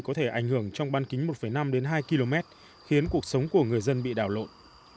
có thể ảnh hưởng trong ban kính một năm đến hai km khiến cuộc sống của người dân bị đảo lộn